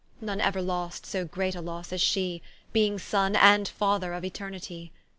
None euer lost so great a losse as shee, Being Sonne, and Father of Eternitie.